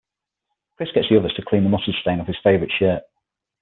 Chris gets the others to clean the mustard stain off his favorite shirt.